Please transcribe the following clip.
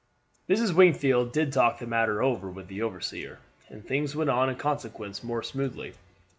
Mrs. Wingfield did talk the matter over with the overseer, and things went on in consequence more smoothly.